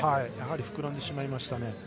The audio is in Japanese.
やはり膨らんでしまいましたね。